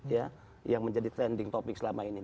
ya yang menjadi trending topic selama ini